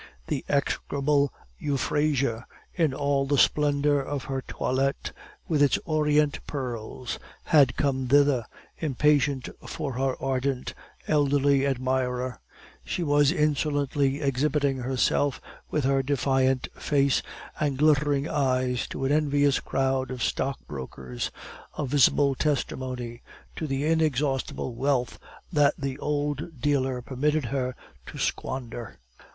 The execrable Euphrasia, in all the splendor of her toilette, with its orient pearls, had come thither, impatient for her ardent, elderly admirer. She was insolently exhibiting herself with her defiant face and glittering eyes to an envious crowd of stockbrokers, a visible testimony to the inexhaustible wealth that the old dealer permitted her to squander.